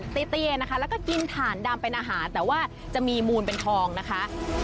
เตี้ยนะคะแล้วก็กินถ่านดำเป็นอาหารแต่ว่าจะมีมูลเป็นทองนะคะ